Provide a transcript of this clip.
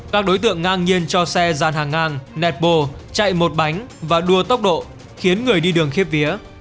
các đối tượng ngang nhiên cho xe gian hàng ngang nẹt bồ chạy một bánh và đua tốc độ khiến người đi đường khiếp ví